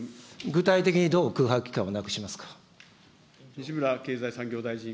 具体的にどう空白期間をなくしますか。